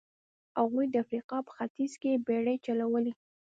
هغوی د افریقا په ختیځ کې بېړۍ چلولې.